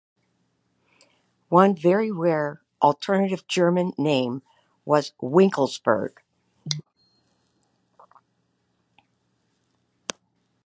One very rare alternative German name was "Winkelsberg".